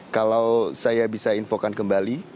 kalau saya bisa infokan kembali